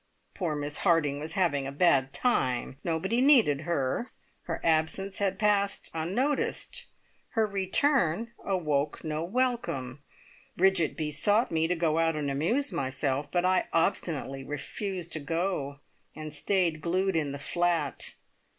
Poor Miss Harding was having a bad time! Nobody needed her; her absence had passed unnoticed; her return awoke no welcome. Bridget besought me to go out and amuse myself, but I obstinately refused to go, and stayed glued in the flat.